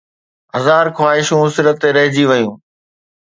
هزار خواهشون سر تي رهجي ويون